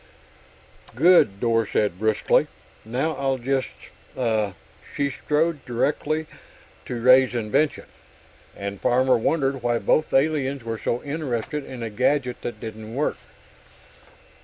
"Good!" Dor said, briskly. "Now, I'll just.... Ah!" She strode directly to Ray's invention, and Farmer wondered why both the aliens were so interested in a gadget that didn't work.